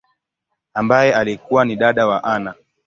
ambaye alikua ni dada wa Anna.